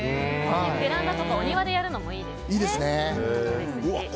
ベランダとかお庭でやるのもいいですね。